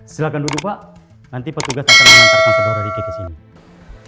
silahkan duduk pak nanti petugas akan mengantarkan pedora di kek kesini